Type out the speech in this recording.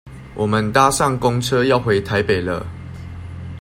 我們搭上公車要回台北了